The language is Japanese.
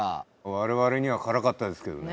我々には辛かったですけどね。